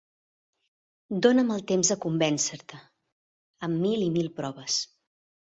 Dóna'm el temps de convèncer-te, amb mil i mil proves.